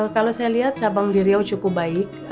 kalau saya lihat cabang di riau cukup baik